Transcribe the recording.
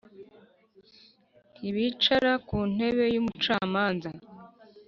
ntibicara ku ntebe y’umucamanza,